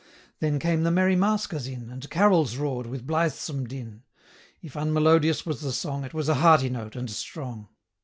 Then came the merry maskers in, 70 And carols roar'd with blithesome din; If unmelodious was the song, It was a hearty note, and strong.